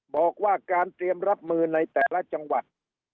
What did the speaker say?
บอกว่าการเตรียมรับมือในแต่ละจังหวัด